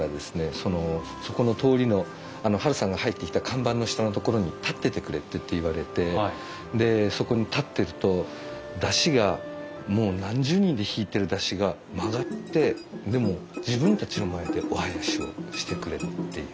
そのそこの通りのハルさんが入ってきた看板の下の所に立っててくれって言われてでそこに立ってると山車がもう何十人で引いてる山車が曲がってでもう自分たちの前でお囃子をしてくれたっていう。